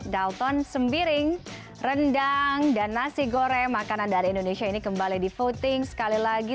dalton sembiring rendang dan nasi goreng makanan dari indonesia ini kembali di voting sekali lagi